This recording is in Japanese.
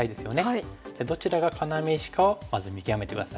どちらが要石かをまず見極めて下さい。